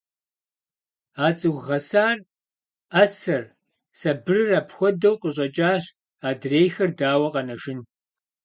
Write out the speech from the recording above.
А цӀыху гъэсар, Ӏэсэр, сабырыр апхуэдэу къыщӀэкӀащ, адрейхэр дауэ къэнэжын?